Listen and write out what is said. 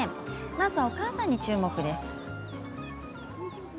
まずはお母さんに注目です。